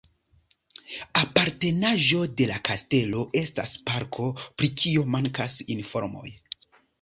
Apartenaĵo de la kastelo estas parko, pri kio mankas informoj.